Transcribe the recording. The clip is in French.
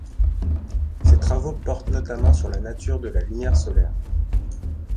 Ses travaux portent notamment sur la nature de la lumière solaire.